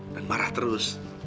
dan marah terus